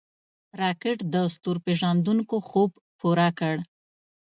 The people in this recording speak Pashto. راکټ د ستورپیژندونکو خوب پوره کړ